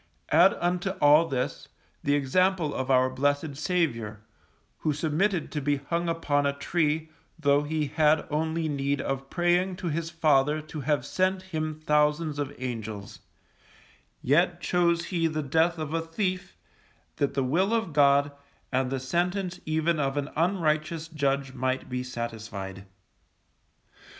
Add unto all this, the example of our blessed Saviour, who submitted to be hung upon a tree, tho' He had only need of praying to His Father to have sent Him thousands of Angels; yet chose He the death of a thief, that the Will of God, and the sentence even of an unrighteous judge might be satisfied.